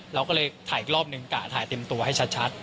เราก็เลยถ่ายอีกรอบนึงกะถ่ายเต็มตัวให้ชัด